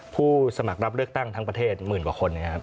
ผู้สมัครรับเลือกตั้งทั้งประเทศหมื่นกว่าคนนะครับ